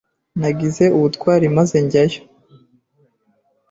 Nagize ubutwari maze njyayo.